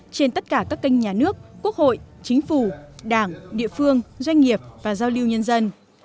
trên tất cả các kênh nhà nước quốc hội chính phủ đảng địa phương doanh nghiệp và giao lưu nhân dân